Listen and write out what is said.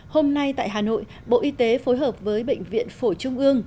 hôm nay tại hà nội bộ y tế phối hợp với bệnh viện phổi trung ương